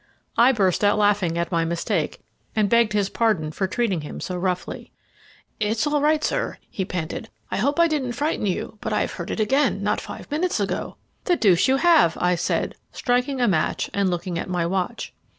I burst out laughing at my mistake, and begged his pardon for treating him so roughly. "It is all right, sir," he panted. "I hope I didn't frighten you, but I have heard it again, not five minutes ago." "The deuce you have," I said, striking a match and looking at my watch.